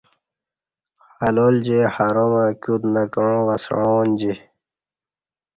حلال جے حرام کیوت نہ کعاں وَسݣعانجی